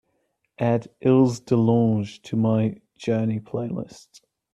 Add ilse delange to my journey playlist